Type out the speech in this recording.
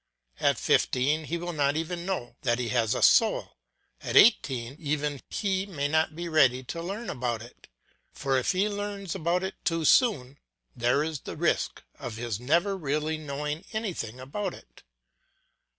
At fifteen he will not even know that he has a soul, at eighteen even he may not be ready to learn about it. For if he learns about it too soon, there is the risk of his never really knowing anything about it.